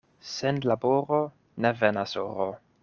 Sen laboro ne venas oro.